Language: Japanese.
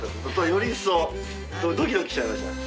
よりいっそうドキドキしちゃいました。